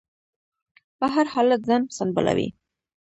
په هر حالت ځان سنبالوي.